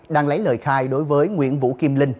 đang lấy lời khai đối với nguyễn vũ kim linh